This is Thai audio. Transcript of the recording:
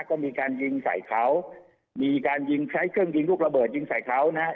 ก็มีการยิงใส่เขามีการยิงใช้เครื่องยิงลูกระเบิดยิงใส่เขานะฮะ